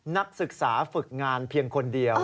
นักศึกษาฝึกงานเพียงคนเดียว